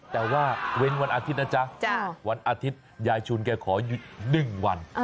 แต่ว่าเว้นวันอาทิตย์นะจ๊ะวันอาทิตยายชุนแกขอหยุด๑วัน